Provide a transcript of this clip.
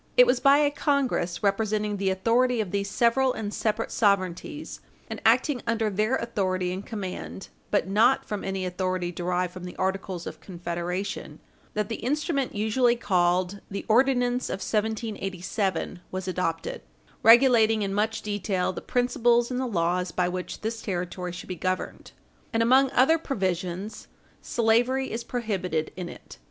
It was by a Congress, representing the authority of these several and separate sovereignties and acting under their authority and command (but not from any authority derived from the Articles of Confederation), that the instrument usually called the Ordinance of 1787 was adopted, regulating in much detail the principles and the laws by which this territory should be governed; and, among other provisions, slavery is prohibited in it.